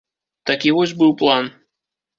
Такі вось быў план.